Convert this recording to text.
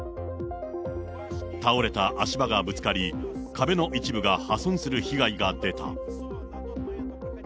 倒れた足場がぶつかり、壁の一部が破損する被害が出た。